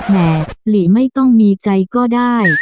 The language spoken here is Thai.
แห่หลีไม่ต้องมีใจก็ได้